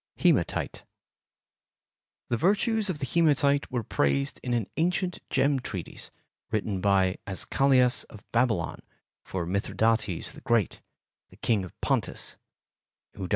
Hematite The virtues of the hematite were praised in an ancient gem treatise written by Azchalias of Babylon for Mithridates the Great, King of Pontus (d.